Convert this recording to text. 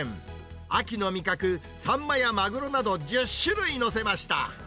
秋の味覚、サンマやマグロなど１０種類載せました。